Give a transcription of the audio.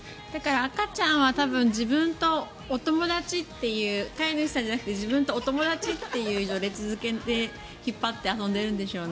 赤ちゃんは自分とお友達という飼い主さんじゃなくて自分とお友達という序列付けで遊んでるんでしょうね。